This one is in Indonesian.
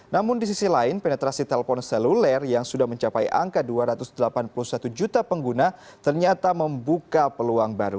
namun di sisi lain penetrasi telpon seluler yang sudah mencapai angka dua ratus delapan puluh satu juta pengguna ternyata membuka peluang baru